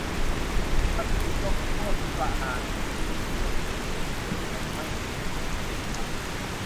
ตัดสินลงโทษประหารชีวิตเพื่อนอีกคนหนึ่งโดยใช้ไม่ไผ่ทำเป็นดาบ